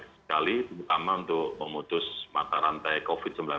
terima kasih terutama untuk pemutus mata rantai covid sembilan belas